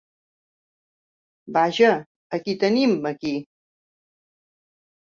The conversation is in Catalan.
Vaja, a qui tenim aquí?